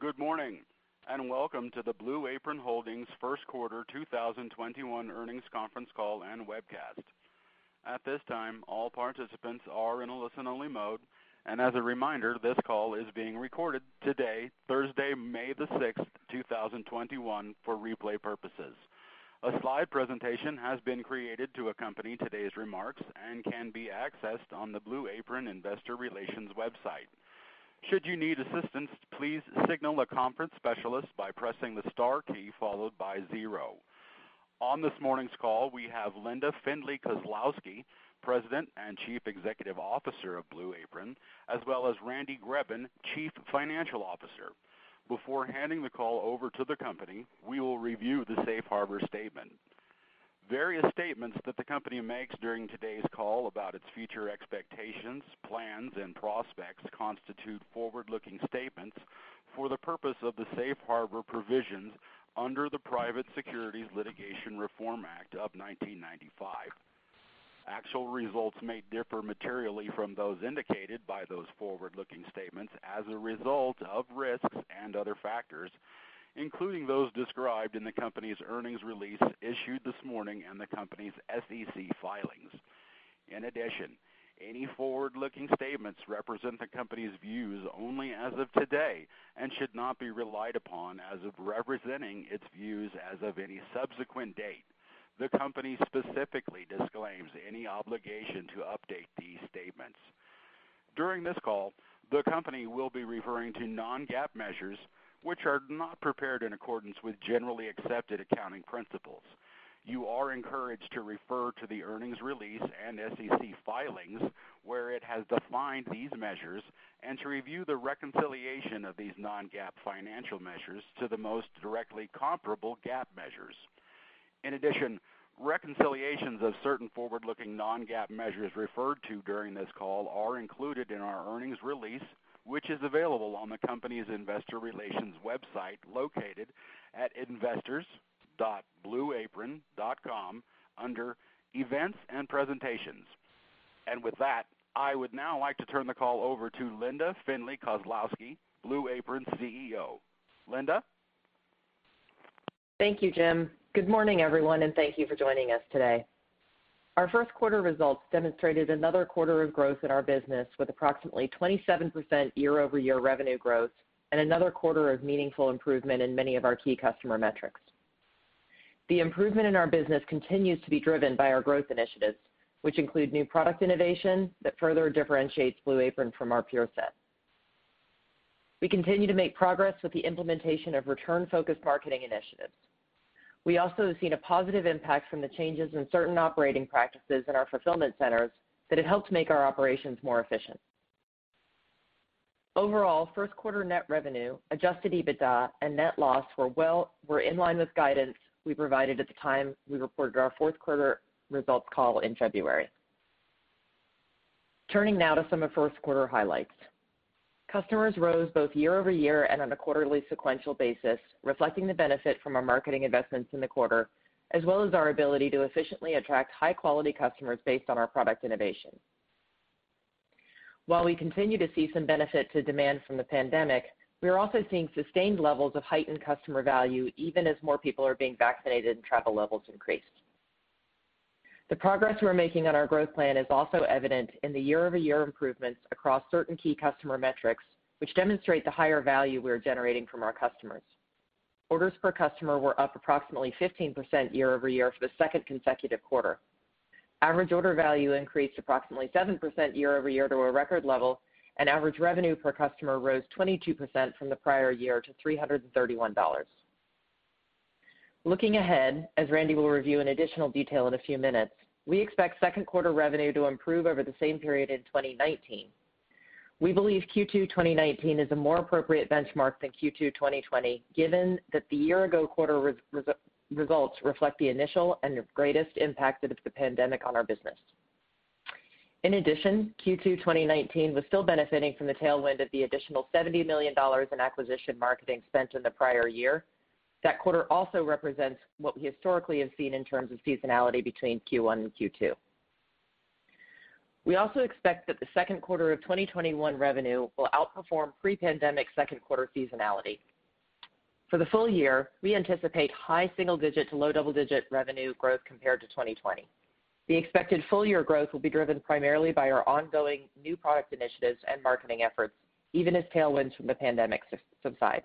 Good morning. Welcome to the Blue Apron Holdings First Quarter 2021 Earnings Conference Call and Webcast. At this time, all participants are in a listen-only mode. As a reminder, this call is being recorded today, Thursday, May the 6th, 2021, for replay purposes. A slide presentation has been created to accompany today's remarks and can be accessed on the Blue Apron investor relations website. Should you need assistance, please signal the conference specialist by pressing the star key followed by zero. On this morning's call, we have Linda Findley Kozlowski, President and Chief Executive Officer of Blue Apron, as well as Randy Greben, Chief Financial Officer. Before handing the call over to the company, we will review the safe harbor statement. Various statements that the company makes during today's call about its future expectations, plans, and prospects constitute forward-looking statements for the purpose of the safe harbor provisions under the Private Securities Litigation Reform Act of 1995. Actual results may differ materially from those indicated by those forward-looking statements as a result of risks and other factors, including those described in the company's earnings release issued this morning and the company's SEC filings. In addition, any forward-looking statements represent the company's views only as of today and should not be relied upon as of representing its views as of any subsequent date. The company specifically disclaims any obligation to update these statements. During this call, the company will be referring to non-GAAP measures, which are not prepared in accordance with generally accepted accounting principles. You are encouraged to refer to the earnings release and SEC filings where it has defined these measures, and to review the reconciliation of these non-GAAP financial measures to the most directly comparable GAAP measures. In addition, reconciliations of certain forward-looking non-GAAP measures referred to during this call are included in our earnings release, which is available on the company's investor relations website located at investors.blueapron.com under Events and Presentations. With that, I would now like to turn the call over to Linda Findley Kozlowski, Blue Apron's CEO. Linda? Thank you, Jim. Good morning, everyone, and thank you for joining us today. Our first quarter results demonstrated another quarter of growth in our business with approximately 27% year-over-year revenue growth and another quarter of meaningful improvement in many of our key customer metrics. The improvement in our business continues to be driven by our growth initiatives, which include new product innovation that further differentiates Blue Apron from our peer set. We continue to make progress with the implementation of return-focused marketing initiatives. We also have seen a positive impact from the changes in certain operating practices in our fulfillment centers that have helped make our operations more efficient. Overall, first quarter net revenue, adjusted EBITDA, and net loss were in line with guidance we provided at the time we reported our fourth quarter results call in February. Turning now to some first quarter highlights. Customers rose both year-over-year and on a quarterly sequential basis, reflecting the benefit from our marketing investments in the quarter, as well as our ability to efficiently attract high-quality customers based on our product innovation. While we continue to see some benefit to demand from the pandemic, we are also seeing sustained levels of heightened customer value, even as more people are being vaccinated and travel levels increase. The progress we're making on our growth plan is also evident in the year-over-year improvements across certain key customer metrics, which demonstrate the higher value we are generating from our customers. orders per customer were up approximately 15% year-over-year for the second consecutive quarter. average order value increased approximately 7% year-over-year to a record level, and average revenue per customer rose 22% from the prior year to $331. Looking ahead, as Randy will review in additional detail in a few minutes, we expect second quarter revenue to improve over the same period in 2019. We believe Q2 2019 is a more appropriate benchmark than Q2 2020, given that the year-ago quarter results reflect the initial and the greatest impact of the pandemic on our business. In addition, Q2 2019 was still benefiting from the tailwind of the additional $70 million in acquisition marketing spent in the prior year. That quarter also represents what we historically have seen in terms of seasonality between Q1 and Q2. We also expect that the second quarter of 2021 revenue will outperform pre-pandemic second quarter seasonality. For the full-year, we anticipate high single digit to low double-digit revenue growth compared to 2020. The expected full year growth will be driven primarily by our ongoing new product initiatives and marketing efforts, even as tailwinds from the pandemic subside.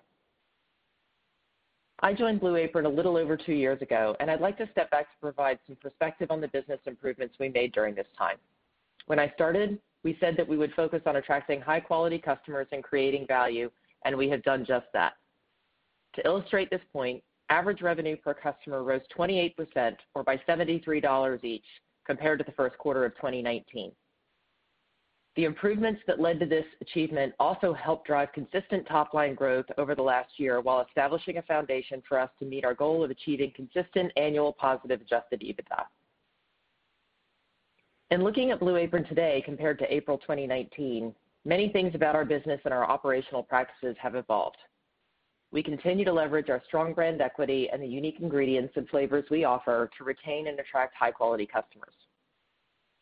I joined Blue Apron a little over two years ago, and I'd like to step back to provide some perspective on the business improvements we made during this time. When I started, we said that we would focus on attracting high-quality customers and creating value, and we have done just that. To illustrate this point, average revenue per customer rose 28%, or by $73 each, compared to the first quarter of 2019. The improvements that led to this achievement also helped drive consistent top-line growth over the last year while establishing a foundation for us to meet our goal of achieving consistent annual positive adjusted EBITDA. In looking at Blue Apron today compared to April 2019, many things about our business and our operational practices have evolved. We continue to leverage our strong brand equity and the unique ingredients and flavors we offer to retain and attract high-quality customers.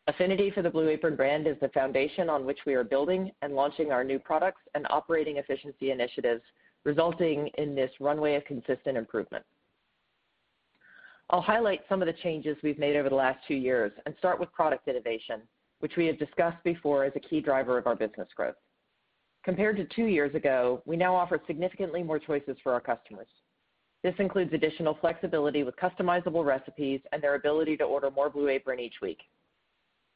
Affinity for the Blue Apron brand is the foundation on which we are building and launching our new products and operating efficiency initiatives, resulting in this runway of consistent improvement. I'll highlight some of the changes we've made over the last two years and start with product innovation, which we have discussed before as a key driver of our business growth. Compared to two years ago, we now offer significantly more choices for our customers. This includes additional flexibility with customizable recipes and their ability to order more Blue Apron each week.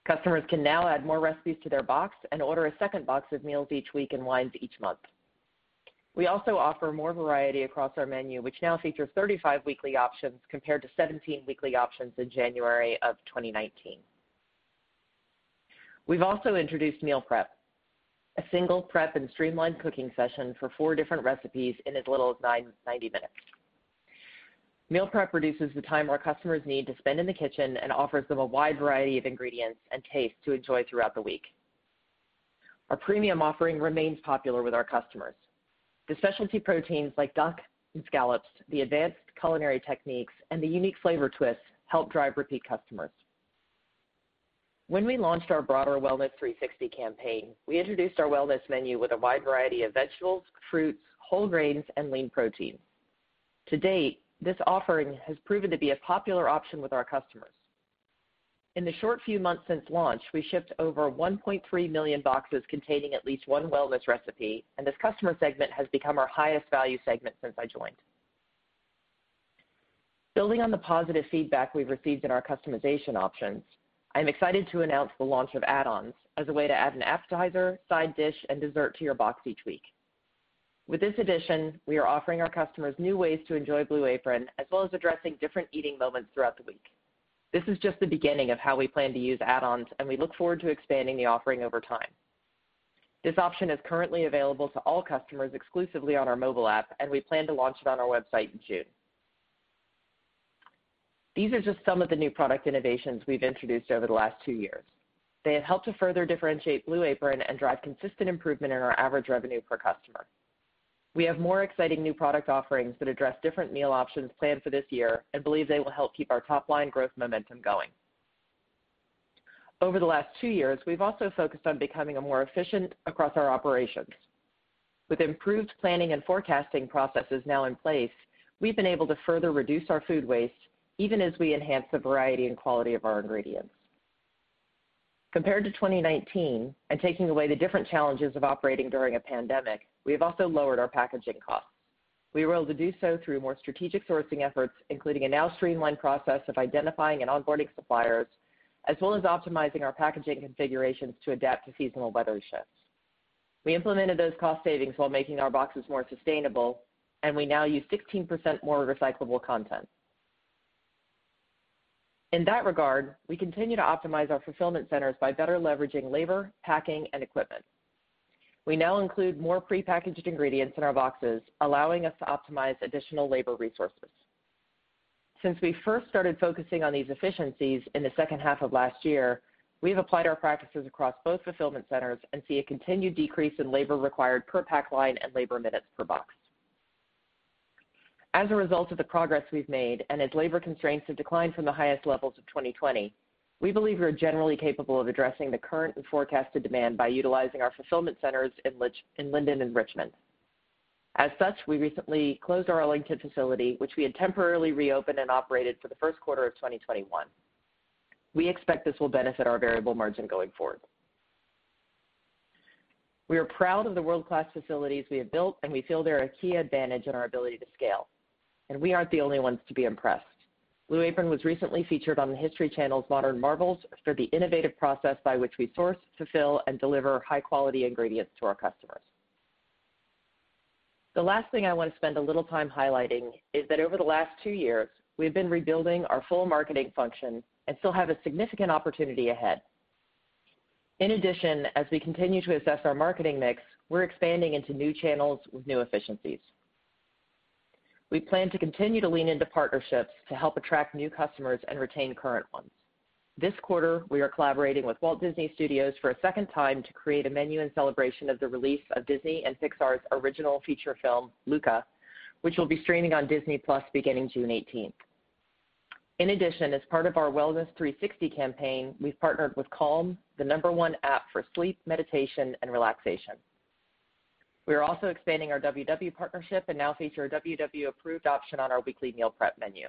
Customers can now add more recipes to their box and order a second box of meals each week, and wines each month. We also offer more variety across our menu, which now features 35 weekly options compared to 17 weekly options in January of 2019. We've also introduced Meal Prep, a single prep and streamlined cooking session for four different recipes in as little as 90 minutes. Meal Prep reduces the time our customers need to spend in the kitchen and offers them a wide variety of ingredients and tastes to enjoy throughout the week. Our premium offering remains popular with our customers. The specialty proteins, like duck and scallops, the advanced culinary techniques, and the unique flavor twists help drive repeat customers. When we launched our broader Wellness 360 campaign, we introduced our wellness menu with a wide variety of vegetables, fruits, whole grains, and lean protein. To date, this offering has proven to be a popular option with our customers. In the short few months since launch, we shipped over 1.3 million boxes containing at least one Wellness recipe, and this customer segment has become our highest value segment since I joined. Building on the positive feedback we've received in our customization options, I'm excited to announce the launch of add-ons as a way to add an appetizer, side dish, and dessert to your box each week. With this addition, we are offering our customers new ways to enjoy Blue Apron, as well as addressing different eating moments throughout the week. This is just the beginning of how we plan to use add-ons, and we look forward to expanding the offering over time. This option is currently available to all customers exclusively on our mobile app, and we plan to launch it on our website in June. These are just some of the new product innovations we've introduced over the last two years. They have helped to further differentiate Blue Apron and drive consistent improvement in our average revenue per customer. We have more exciting new product offerings that address different meal options planned for this year and believe they will help keep our top-line growth momentum going. Over the last two years, we've also focused on becoming more efficient across our operations. With improved planning and forecasting processes now in place, we've been able to further reduce our food waste, even as we enhance the variety and quality of our ingredients. Compared to 2019, and taking away the different challenges of operating during a pandemic, we have also lowered our packaging costs. We were able to do so through more strategic sourcing efforts, including a now streamlined process of identifying and onboarding suppliers, as well as optimizing our packaging configurations to adapt to seasonal weather shifts. We implemented those cost savings while making our boxes more sustainable, and we now use 16% more recyclable content. In that regard, we continue to optimize our fulfillment centers by better leveraging labor, packing, and equipment. We now include more prepackaged ingredients in our boxes, allowing us to optimize additional labor resources. Since we first started focusing on these efficiencies in the second half of last year, we've applied our practices across both fulfillment centers and see a continued decrease in labor required per pack line and labor minutes per box. As a result of the progress we've made, and as labor constraints have declined from the highest levels of 2020, we believe we are generally capable of addressing the current and forecasted demand by utilizing our fulfillment centers in Linden and Richmond. As such, we recently closed our Arlington facility, which we had temporarily reopened and operated for the first quarter of 2021. We expect this will benefit our variable margin going forward. We are proud of the world-class facilities we have built, and we feel they're a key advantage in our ability to scale. We aren't the only ones to be impressed. Blue Apron was recently featured on the History Channel's Modern Marvels for the innovative process by which we source, fulfill, and deliver high-quality ingredients to our customers. The last thing I want to spend a little time highlighting is that over the last two years, we have been rebuilding our full marketing function and still have a significant opportunity ahead. As we continue to assess our marketing mix, we're expanding into new channels with new efficiencies. We plan to continue to lean into partnerships to help attract new customers and retain current ones. This quarter, we are collaborating with Walt Disney Studios for a second time to create a menu in celebration of the release of Disney and Pixar's original feature film, Luca, which will be streaming on Disney+ beginning June 18th. As part of our Wellness 360 campaign, we've partnered with Calm, the number one app for sleep, meditation, and relaxation. We are also expanding our WW partnership and now feature a WW approved option on our weekly Meal Prep menu.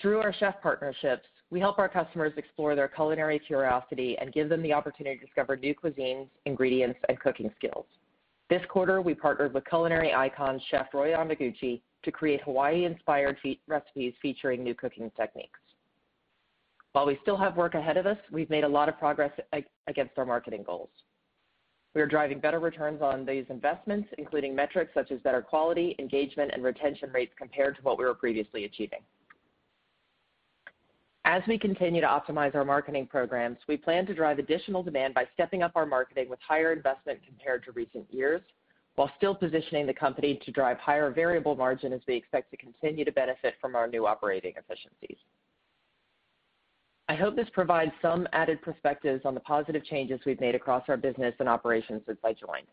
Through our chef partnerships, we help our customers explore their culinary curiosity and give them the opportunity to discover new cuisines, ingredients, and cooking skills. This quarter, we partnered with culinary icon, Chef Roy Yamaguchi, to create Hawaii-inspired recipes featuring new cooking techniques. While we still have work ahead of us, we've made a lot of progress against our marketing goals. We are driving better returns on these investments, including metrics such as better quality, engagement, and retention rates compared to what we were previously achieving. As we continue to optimize our marketing programs, we plan to drive additional demand by stepping up our marketing with higher investment compared to recent years, while still positioning the company to drive higher variable margin as we expect to continue to benefit from our new operating efficiencies. I hope this provides some added perspectives on the positive changes we've made across our business and operations since I joined.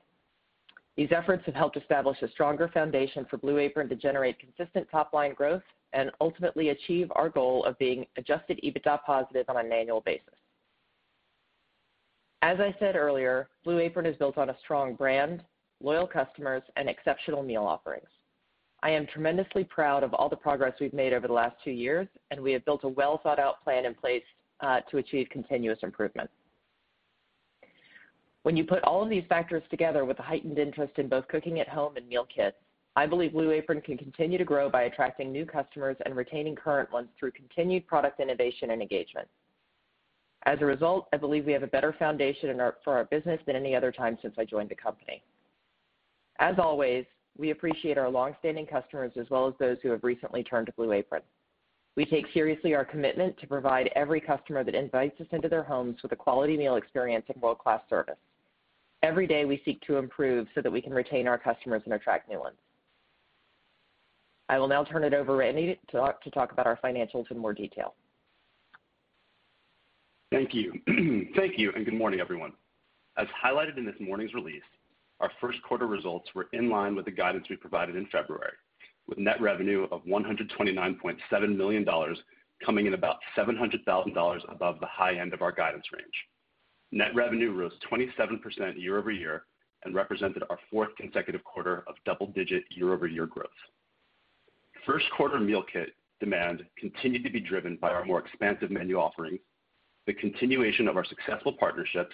These efforts have helped establish a stronger foundation for Blue Apron to generate consistent top-line growth and ultimately achieve our goal of being adjusted EBITDA positive on an annual basis. As I said earlier, Blue Apron is built on a strong brand, loyal customers, and exceptional meal offerings. I am tremendously proud of all the progress we've made over the last two years, and we have built a well-thought-out plan in place to achieve continuous improvement. When you put all of these factors together with a heightened interest in both cooking at home and meal kit, I believe Blue Apron can continue to grow by attracting new customers and retaining current ones through continued product innovation and engagement. As a result, I believe we have a better foundation for our business than any other time since I joined the company. As always, we appreciate our longstanding customers as well as those who have recently turned to Blue Apron. We take seriously our commitment to provide every customer that invites us into their homes with a quality meal experience and world-class service. Every day, we seek to improve so that we can retain our customers and attract new ones. I will now turn it over to Randy to talk about our financials in more detail. Thank you. Thank you, and good morning, everyone. As highlighted in this morning's release, our first quarter results were in line with the guidance we provided in February, with net revenue of $129.7 million coming in about $700,000 above the high end of our guidance range. Net revenue rose 27% year-over-year and represented our fourth consecutive quarter of double-digit year-over-year growth. First quarter meal kit demand continued to be driven by our more expansive menu offerings, the continuation of our successful partnerships,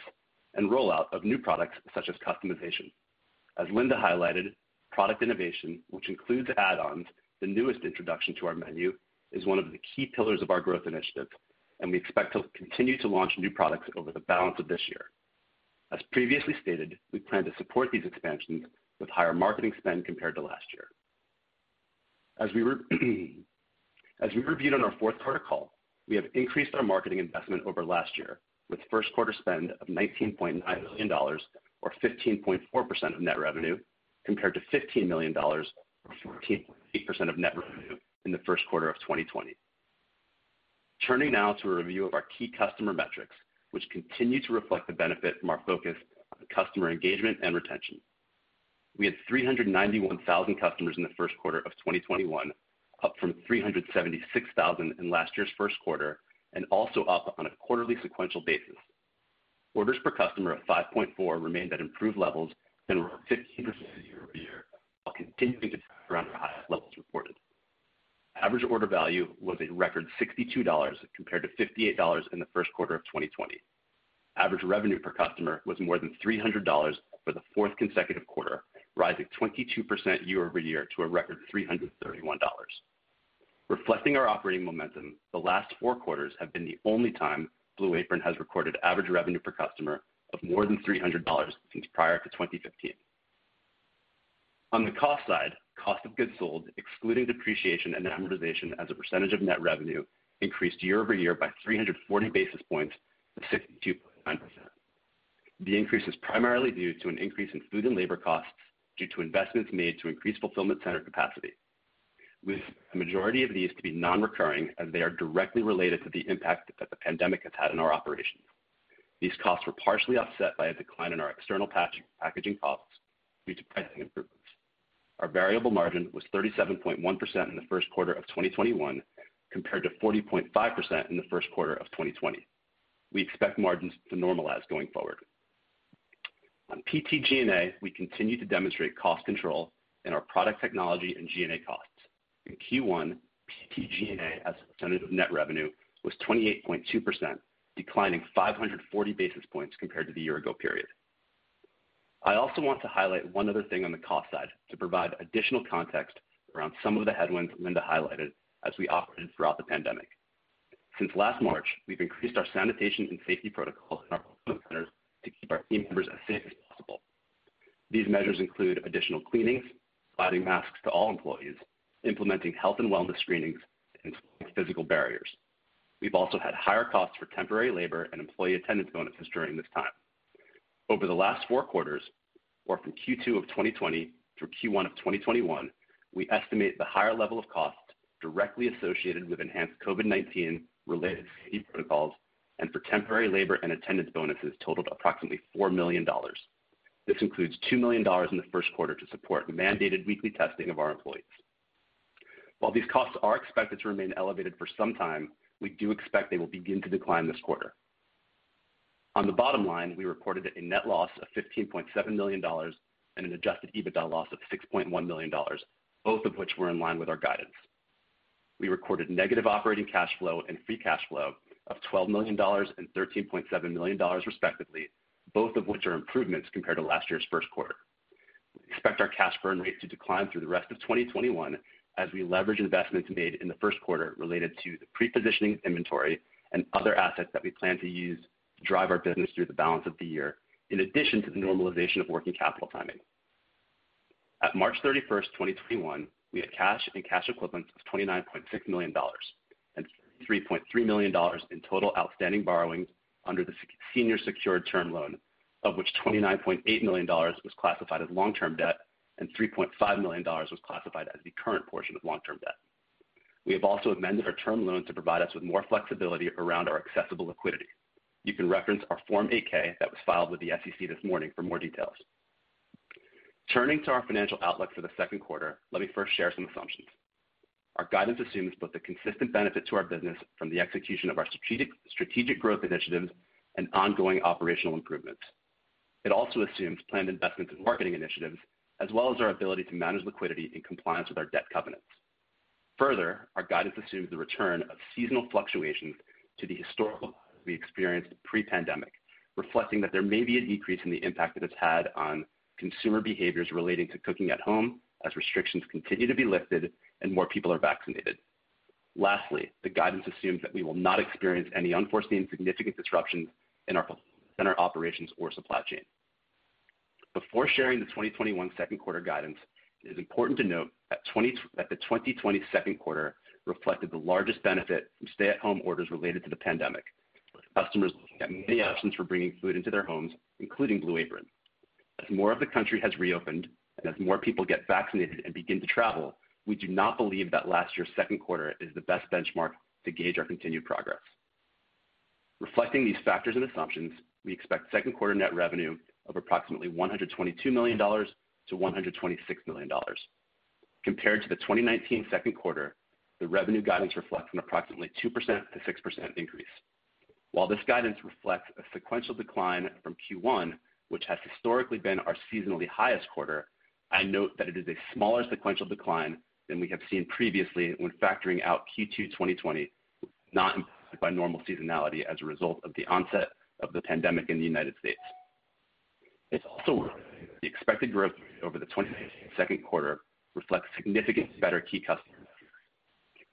and rollout of new products such as customization. As Linda highlighted, product innovation, which includes add-ons, the newest introduction to our menu, is one of the key pillars of our growth initiative. We expect to continue to launch new products over the balance of this year. As previously stated, we plan to support these expansions with higher marketing spend compared to last year. As we reviewed on our fourth quarter call, we have increased our marketing investment over last year, with first quarter spend of $19.9 million, or 15.4% of net revenue, compared to $15 million or 14.8% of net revenue in the first quarter of 2020. Turning now to a review of our key customer metrics, which continue to reflect the benefit from our focus on customer engagement and retention. We had 391,000 customers in the first quarter of 2021, up from 376,000 in last year's first quarter, and also up on a quarterly sequential basis. Orders per customer of 5.4 remained at improved levels and were up 15% year-over-year while continuing to track around our highest levels reported. Average order value was a record $62, compared to $58 in the first quarter of 2020. Average revenue per customer was more than $300 for the fourth consecutive quarter, rising 22% year-over-year to a record $331. Reflecting our operating momentum, the last four quarters have been the only time Blue Apron has recorded average revenue per customer of more than $300 since prior to 2015. On the cost side, cost of goods sold, excluding depreciation and amortization as a percentage of net revenue, increased year-over-year by 340 basis points to 62.9%. The increase is primarily due to an increase in food and labor costs due to investments made to increase fulfillment center capacity, with the majority of these to be non-recurring, as they are directly related to the impact that the pandemic has had on our operations. These costs were partially offset by a decline in our external packaging costs due to pricing improvements. Our variable margin was 37.1% in the first quarter of 2021, compared to 40.5% in the first quarter of 2020. We expect margins to normalize going forward. On PT&G&A, we continue to demonstrate cost control in our product technology and G&A costs. In Q1, PT&G&A as a percentage of net revenue was 28.2%, declining 540 basis points compared to the year ago period. I also want to highlight one other thing on the cost side to provide additional context around some of the headwinds Linda highlighted as we operated throughout the pandemic. Since last March, we've increased our sanitation and safety protocols in our fulfillment centers to keep our team members as safe as possible. These measures include additional cleanings, providing masks to all employees, implementing health and wellness screenings, and installing physical barriers. We've also had higher costs for temporary labor and employee attendance bonuses during this time. Over the last four quarters, or from Q2 of 2020 through Q1 of 2021, we estimate the higher level of costs directly associated with enhanced COVID-19 related safety protocols and for temporary labor and attendance bonuses totaled approximately $4 million. This includes $2 million in the first quarter to support the mandated weekly testing of our employees. While these costs are expected to remain elevated for some time, we do expect they will begin to decline this quarter. On the bottom line, we reported a net loss of $15.7 million and an adjusted EBITDA loss of $6.1 million, both of which were in line with our guidance. We recorded negative operating cash flow and free cash flow of $12 million and $13.7 million, respectively, both of which are improvements compared to last year's first quarter. We expect our cash burn rate to decline through the rest of 2021 as we leverage investments made in the first quarter related to the pre-positioning of inventory and other assets that we plan to use to drive our business through the balance of the year, in addition to the normalization of working capital timing. At March 31st, 2021, we had cash and cash equivalents of $29.6 million and $3.3 million in total outstanding borrowings under the senior secured term loan, of which $29.8 million was classified as long-term debt and $3.5 million was classified as the current portion of long-term debt. We have also amended our term loan to provide us with more flexibility around our accessible liquidity. You can reference our Form 8-K that was filed with the SEC this morning for more details. Turning to our financial outlook for the second quarter, let me first share some assumptions. Our guidance assumes both the consistent benefit to our business from the execution of our strategic growth initiatives and ongoing operational improvements. It also assumes planned investments in marketing initiatives, as well as our ability to manage liquidity in compliance with our debt covenants. Our guidance assumes the return of seasonal fluctuations to the historical we experienced pre-pandemic, reflecting that there may be a decrease in the impact that it's had on consumer behaviors relating to cooking at home as restrictions continue to be lifted and more people are vaccinated. The guidance assumes that we will not experience any unforeseen significant disruptions in our operations or supply chain. Before sharing the 2021 second quarter guidance, it is important to note that the 2020 second quarter reflected the largest benefit from stay-at-home orders related to the pandemic, with customers looking at many options for bringing food into their homes, including Blue Apron. As more of the country has reopened, and as more people get vaccinated and begin to travel, we do not believe that last year's second quarter is the best benchmark to gauge our continued progress. Reflecting these factors and assumptions, we expect second quarter net revenue of approximately $122 million-$126 million. Compared to the 2019 second quarter, the revenue guidance reflects an approximately 2%-6% increase. While this guidance reflects a sequential decline from Q1, which has historically been our seasonally highest quarter, I note that it is a smaller sequential decline than we have seen previously when factoring out Q2 2020, not impacted by normal seasonality as a result of the onset of the pandemic in the United States. It's also the expected growth rate over the 2016 second quarter reflects significantly better key customer metrics.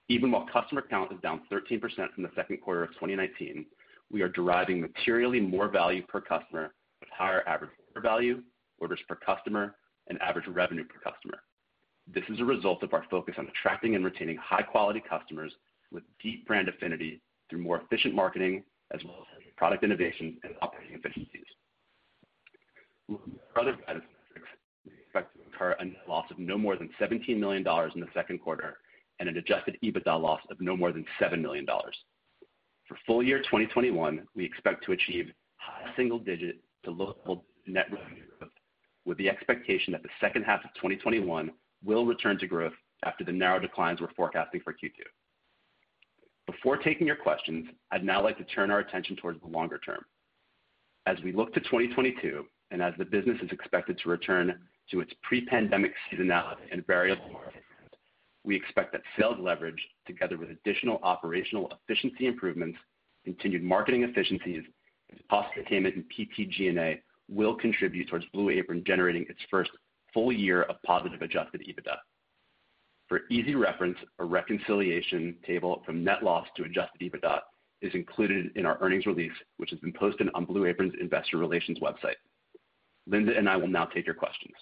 Even while customer count is down 13% from the second quarter of 2019, we are deriving materially more value per customer with higher average order value, orders per customer, and average revenue per customer. This is a result of our focus on attracting and retaining high-quality customers with deep brand affinity through more efficient marketing, as well as product innovation and operating efficiencies. Looking at other guidance metrics, we expect to incur a net loss of no more than $17 million in the second quarter and an adjusted EBITDA loss of no more than $7 million. For full year 2021, we expect to achieve high single-digit to low double net revenue growth, with the expectation that the second half of 2021 will return to growth after the narrow declines we're forecasting for Q2. Before taking your questions, I'd now like to turn our attention towards the longer term. As we look to 2022, and as the business is expected to return to its pre-pandemic seasonality and variable order trends, we expect that sales leverage, together with additional operational efficiency improvements, continued marketing efficiencies, and cost containment in PT&G&A, will contribute towards Blue Apron generating its first full year of positive adjusted EBITDA. For easy reference, a reconciliation table from net loss to adjusted EBITDA is included in our earnings release, which has been posted on Blue Apron's investor relations website. Linda and I will now take your questions.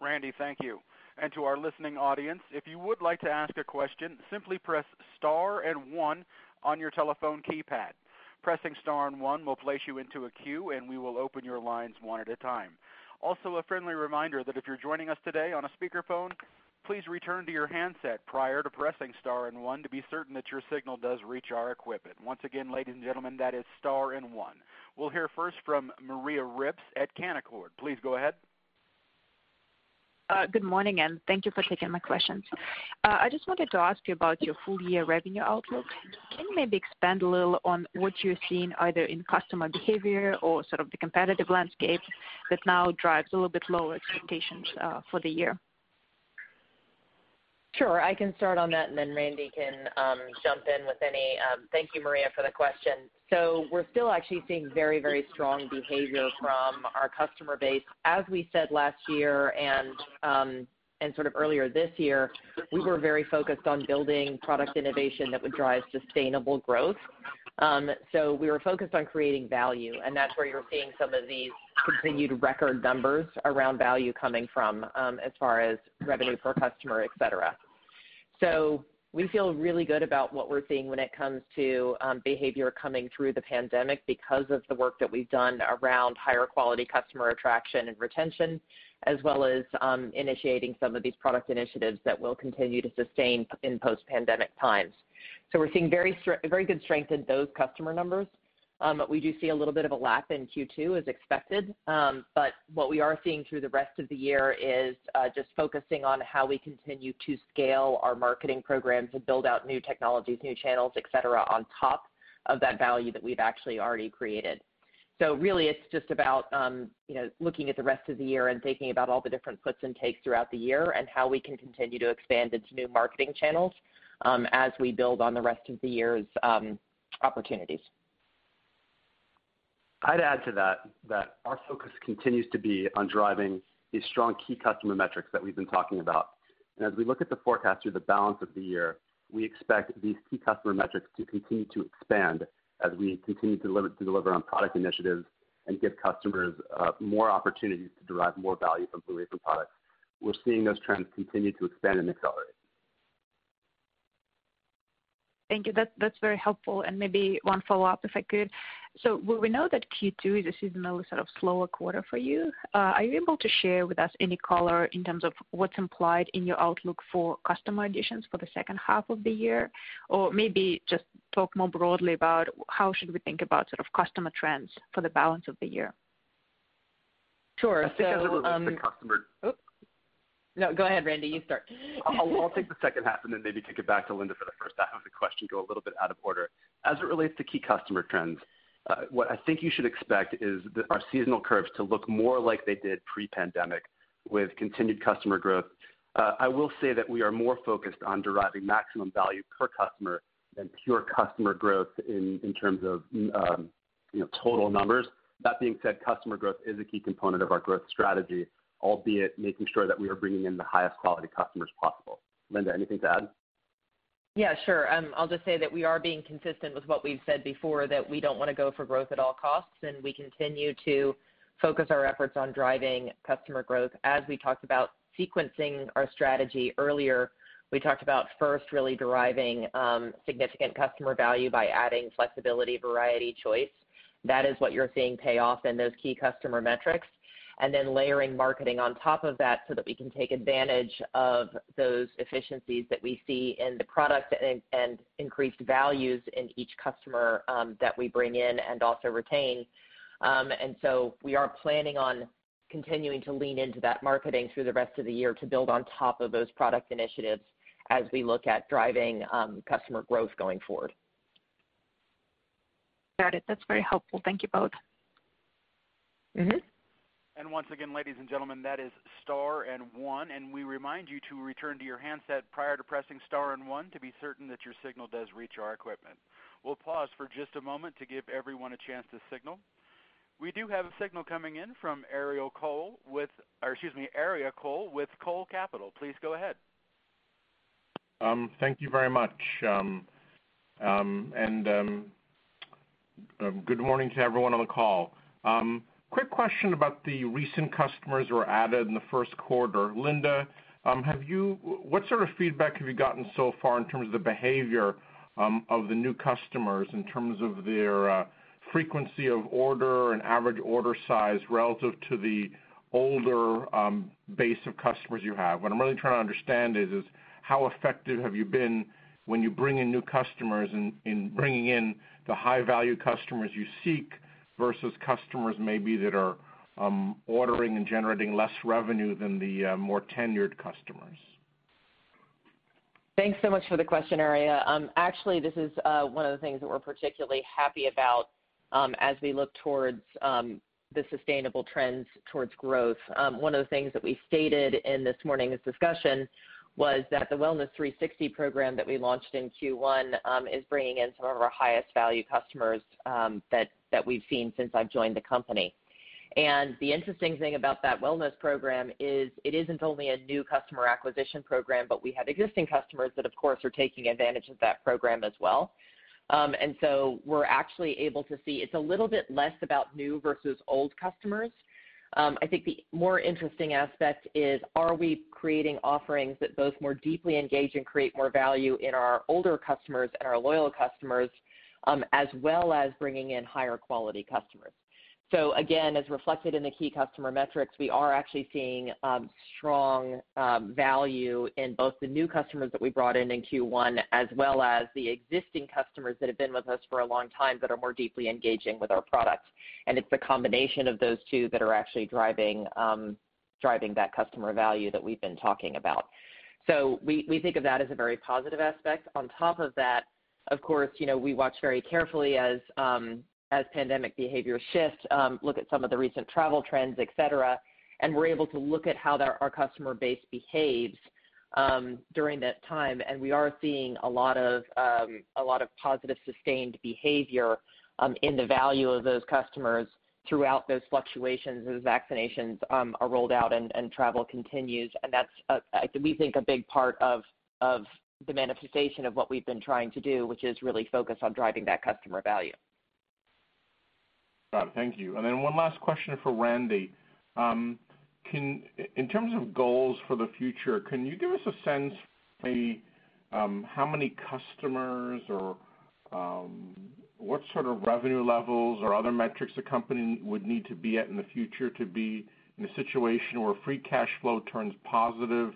Randy, thank you and to our listening audience, if you would like to ask a question, simply press star and one on your telephone keypad. Pressing star and one will place you into a queue and we will open your lines one a time. Also a friendly reminder that if you are joining us today on a speaker phone, please return to your handset prior to pressing star and one to be served at your signal does reach our equipment. Once again, ladies and gentlemen that is star and one. We'll hear first from Maria Ripps at Canaccord. Please go ahead. Good morning, and thank you for taking my questions. I just wanted to ask you about your full year revenue outlook. Can you maybe expand a little on what you're seeing either in customer behavior or sort of the competitive landscape that now drives a little bit lower expectations for the year? Sure, I can start on that, and then Randy can jump in with any. Thank you, Maria for the question. We're still actually seeing very strong behavior from our customer base. As we said last year and sort of earlier this year, we were very focused on building product innovation that would drive sustainable growth. We were focused on creating value, and that's where you're seeing some of these continued record numbers around value coming from, as far as revenue per customer, et cetera. We feel really good about what we're seeing when it comes to behavior coming through the pandemic because of the work that we've done around higher quality customer attraction and retention, as well as initiating some of these product initiatives that will continue to sustain in post-pandemic times. We're seeing very good strength in those customer numbers. We do see a little bit of a lap in Q2, as expected. What we are seeing through the rest of the year is just focusing on how we continue to scale our marketing programs and build out new technologies, new channels, et cetera, on top of that value that we've actually already created. Really it's just about looking at the rest of the year and thinking about all the different puts and takes throughout the year and how we can continue to expand into new marketing channels as we build on the rest of the year's opportunities. I'd add to that our focus continues to be on driving these strong key customer metrics that we've been talking about. As we look at the forecast through the balance of the year, we expect these key customer metrics to continue to expand as we continue to deliver on product initiatives and give customers more opportunities to derive more value from Blue Apron products. We're seeing those trends continue to expand and accelerate. Thank you. That's very helpful. Maybe one follow-up, if I could. We know that Q2 is a seasonally sort of slower quarter for you. Are you able to share with us any color in terms of what's implied in your outlook for customer additions for the second half of the year? Maybe just talk more broadly about how should we think about customer trends for the balance of the year? Sure. I think as it relates to customer. Oh. No, go ahead, Randy, you start. I'll take the second half and then maybe kick it back to Linda for the first half of the question, go a little bit out of order. As it relates to key customer trends, what I think you should expect is our seasonal curves to look more like they did pre-pandemic, with continued customer growth. I will say that we are more focused on deriving maximum value per customer than pure customer growth in terms of total numbers. That being said, customer growth is a key component of our growth strategy, albeit making sure that we are bringing in the highest quality customers possible. Linda, anything to add? Sure, I'll just say that we are being consistent with what we've said before, that we don't want to go for growth at all costs. We continue to focus our efforts on driving customer growth. As we talked about sequencing our strategy earlier, we talked about first really deriving significant customer value by adding flexibility, variety, choice. That is what you're seeing pay off in those key customer metrics. Then layering marketing on top of that so that we can take advantage of those efficiencies that we see in the product, and increased values in each customer that we bring in and also retain. We are planning on continuing to lean into that marketing through the rest of the year to build on top of those product initiatives as we look at driving customer growth going forward. Got it. That's very helpful. Thank you both. Once again, ladies and gentlemen, that is star and one, and we remind you to return to your handset prior to pressing star and one to be certain that your signal does reach our equipment. We'll pause for just a moment to give everyone a chance to signal. We do have a signal coming in from Aria Cole with Cole Capital. Please go ahead. Thank you very much. Good morning to everyone on the call. Quick question about the recent customers who were added in the first quarter. Linda, what sort of feedback have you gotten so far in terms of the behavior of the new customers, in terms of their frequency of order and average order size relative to the older base of customers you have? What I'm really trying to understand is how effective have you been when you bring in new customers, in bringing in the high-value customers you seek versus customers maybe that are ordering and generating less revenue than the more tenured customers? Thanks so much for the question, Aria. Actually, this is one of the things that we're particularly happy about as we look towards the sustainable trends towards growth. One of the things that we stated in this morning's discussion was that the Wellness 360 program that we launched in Q1 is bringing in some of our highest value customers that we've seen since I've joined the company. The interesting thing about that wellness program is it isn't only a new customer acquisition program, but we have existing customers that, of course, are taking advantage of that program as well. We're actually able to see it's a little bit less about new versus old customers. I think the more interesting aspect is, are we creating offerings that both more deeply engage and create more value in our older customers and our loyal customers, as well as bringing in higher quality customers. Again, as reflected in the key customer metrics, we are actually seeing strong value in both the new customers that we brought in Q1, as well as the existing customers that have been with us for a long time that are more deeply engaging with our products. It's the combination of those two that are actually driving that customer value that we've been talking about. We think of that as a very positive aspect. On top of that, of course, we watch very carefully as pandemic behavior shifts, look at some of the recent travel trends, et cetera, and we're able to look at how our customer base behaves during that time, and we are seeing a lot of positive sustained behavior in the value of those customers throughout those fluctuations as vaccinations are rolled out and travel continues. That's, we think, a big part of the manifestation of what we've been trying to do, which is really focus on driving that customer value. Got it. Thank you. Then one last question for Randy. In terms of goals for the future, can you give us a sense for how many customers or what sort of revenue levels or other metrics the company would need to be at in the future to be in a situation where free cash flow turns positive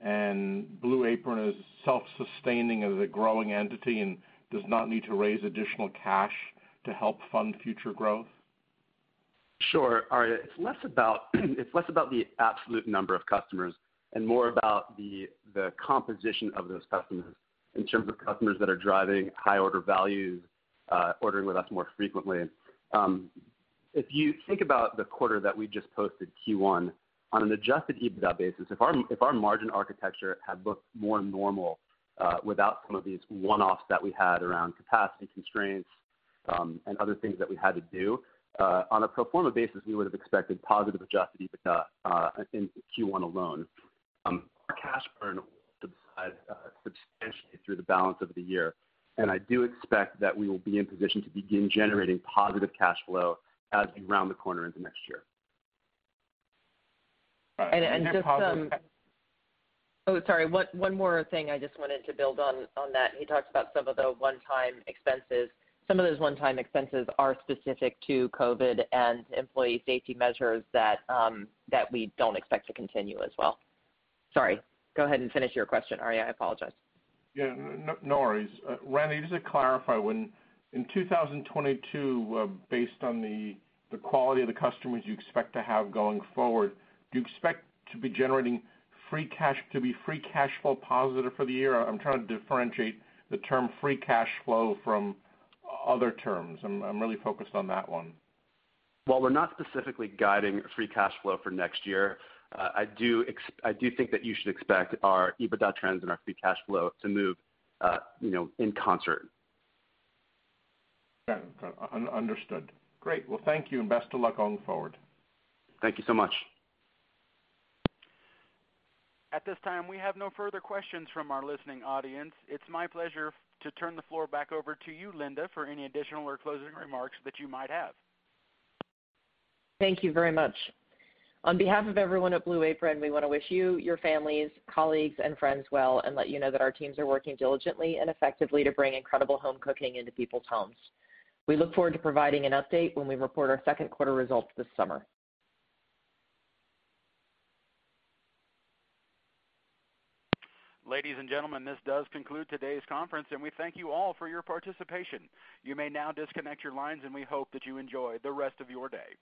and Blue Apron is self-sustaining as a growing entity and does not need to raise additional cash to help fund future growth? Sure. Aria, it's less about the absolute number of customers and more about the composition of those customers, in terms of customers that are driving high order values, ordering with us more frequently. If you think about the quarter that we just posted, Q1, on an adjusted EBITDA basis, if our margin architecture had looked more normal, without some of these one-offs that we had around capacity constraints and other things that we had to do, on a pro forma basis, we would've expected positive adjusted EBITDA in Q1 alone. I do expect that we will be in position to begin generating positive cash flow as we round the corner into next year. And your positive- Oh, sorry, one more thing I just wanted to build on that. He talked about some of the one-time expenses. Some of those one-time expenses are specific to COVID and employee safety measures that we don't expect to continue as well. Sorry. Go ahead and finish your question, Aria, I apologize. Yeah, no worries. Randy, just to clarify, in 2022, based on the quality of the customers you expect to have going forward, do you expect to be generating free cash, to be free cash flow positive for the year? I'm trying to differentiate the term free cash flow from other terms. I'm really focused on that one. While we're not specifically guiding free cash flow for next year, I do think that you should expect our EBITDA trends and our free cash flow to move in concert. Got it. Understood. Great. Well, thank you, and best of luck going forward. Thank you so much. At this time, we have no further questions from our listening audience. It is my pleasure to turn the floor back over to you, Linda, for any additional or closing remarks that you might have. Thank you very much. On behalf of everyone at Blue Apron, we want to wish you, your families, colleagues, and friends well, and let you know that our teams are working diligently and effectively to bring incredible home cooking into people's homes. We look forward to providing an update when we report our second quarter results this summer. Ladies and gentlemen, this does conclude today's conference, and we thank you all for your participation. You may now disconnect your lines, and we hope that you enjoy the rest of your day.